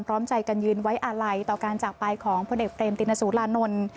พร้อมใจกันยืนไว้อาลัยต่อการจากไปของพลเอกเรมตินสุรานนท์